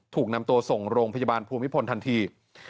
ถูกนำตัวส่งโรงพยาบาลภูมิพลทันที